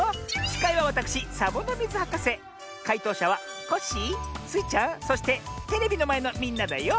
しかいはわたくしサボノミズはかせかいとうしゃはコッシースイちゃんそしてテレビのまえのみんなだよ。